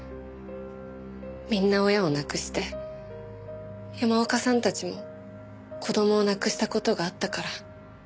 みんな親を亡くして山岡さんたちも子供を亡くした事があったから。